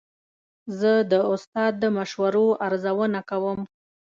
زه د استاد د مشورو ارزونه کوم.